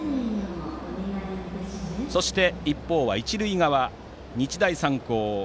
そして一方の一塁側、日大三高。